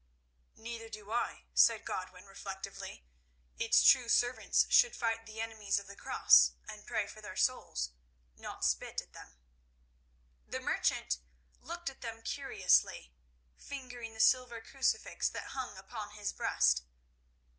"Neither do I," said Godwin reflectively. "Its true servants should fight the enemies of the Cross and pray for their souls, not spit at them." The merchant looked at them curiously, fingering the silver crucifix that hung upon his breast.